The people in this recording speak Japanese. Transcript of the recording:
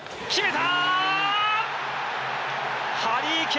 決めた！